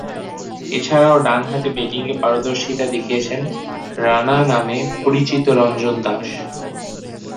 এছাড়াও, ডানহাতে ব্যাটিংয়ে পারদর্শীতা দেখিয়েছেন ‘রাণা’ নামে পরিচিত রঞ্জন দাস।